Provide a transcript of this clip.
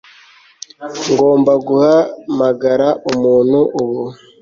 Ngomba guhamagara umuntu ubu